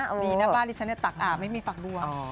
ดีนะบ้านดิฉันเนี่ยตักอ่าไม่มีฝักบัว